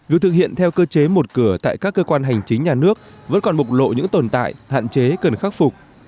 việc thực hiện theo cơ chế một cửa tại các cơ quan hành chính nhà nước vẫn còn bộc lộ những tồn tại hạn chế cần khắc phục